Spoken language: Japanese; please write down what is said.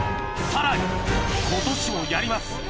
さらに今年もやります